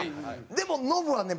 でもノブはね